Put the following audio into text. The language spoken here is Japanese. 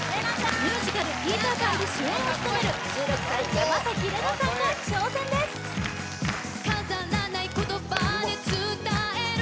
ミュージカル「ピーター・パン」で主演を務める１６歳山玲奈さんが挑戦です飾らない言葉で伝える